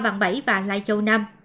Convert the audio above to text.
bằng bảy và lai châu năm